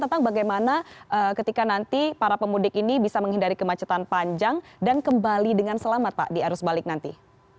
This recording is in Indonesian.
tentang bagaimana ketika nanti para pemudik ini bisa menghindari kemacetan panjang dan kembali dengan selamat pak di arus balik nanti